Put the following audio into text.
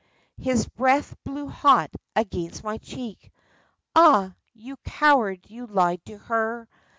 " His breath blew hot against my cheek ; Aha ! You coward, you lied to her